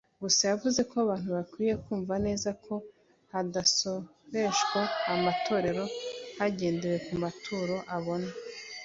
Gusa yavuze ko abantu bakwiye kumva neza ko hadasoreshwa amatorero hagendewe ku maturo abona